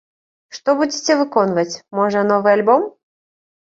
Што будзеце выконваць, можа, новы альбом?